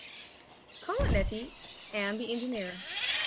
Colonnetti and the engineer.